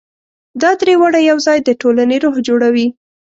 دا درې واړه یو ځای د ټولنې روح جوړوي.